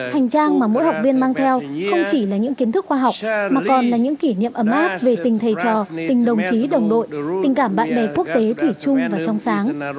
hành trang mà mỗi học viên mang theo không chỉ là những kiến thức khoa học mà còn là những kỷ niệm ấm áp về tình thầy trò tình đồng chí đồng đội tình cảm bạn bè quốc tế thủy chung và trong sáng